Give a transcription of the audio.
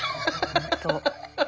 本当。